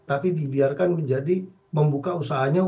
tapi dibiarkan menjadi membuka usahanya